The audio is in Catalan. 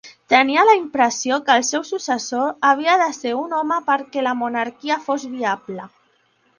Tenia la impressió que el seu successor havia de ser un home perquè la monarquia fos viable.